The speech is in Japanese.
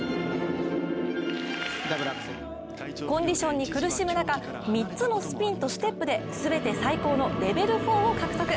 コンディションに苦しむ中３つのスピンとステップで全て最高のレベル４を獲得。